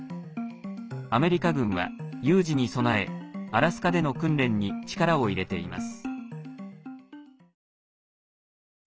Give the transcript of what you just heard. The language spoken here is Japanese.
アメリカ軍は有事に備えアラスカでの訓練に力を入れています。